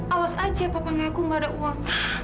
awas aja papa ngaku gak ada uang